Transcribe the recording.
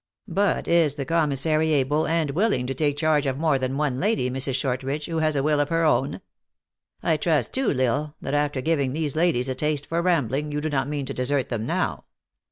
But is the commissary able and will ing to take charge of more than one lady, Mrs. Short ridge, who has a will of her own ? I trust, too, L Isle, that after giving these ladies a taste for rambling, you do not mean to desert them now.